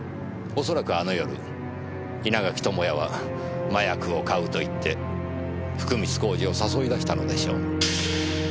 恐らくあの夜稲垣智也は麻薬を買うと言って福光公次を誘い出したのでしょう。